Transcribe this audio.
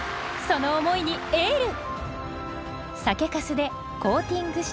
その思いにエール！